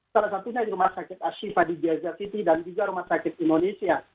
salah satunya di rumah sakit ashifa di gaza city dan juga rumah sakit indonesia